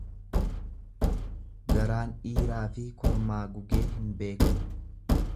Garaan dhiiraafi kormaa gugee hin beekamu.